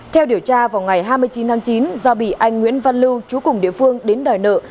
theo điều tra vào ngày hai mươi chín tháng chín do bị anh nguyễn văn lưu trú cùng địa phương đến đòi nợ